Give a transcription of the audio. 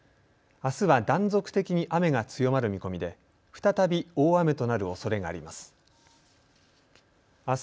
あすは断続的に雨が強まる見込みで再び大雨となるおそれがあります。